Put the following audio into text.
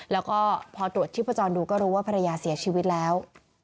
แล้วก็พอตรวจชีพจรดูก็รู้ว่าภรรยาเสียชีวิตแล้ว